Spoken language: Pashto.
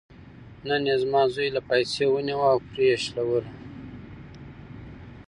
نن یې زما زوی له پایڅې ونیوه او پرې یې شلوله.